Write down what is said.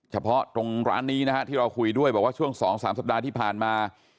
เฉพาะตรงร้านนี้นะฮะที่เราคุยด้วยบอกว่าช่วง๒๓สัปดาห์ที่ผ่านมา